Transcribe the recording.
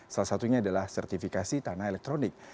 salah satunya adalah sertifikasi tanah elektronik